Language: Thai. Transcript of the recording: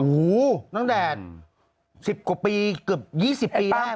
โอ้โหตั้งแต่๑๐กว่าปีเกือบ๒๐ปีได้